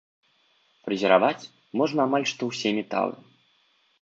Фрэзераваць можна амаль што ўсе металы.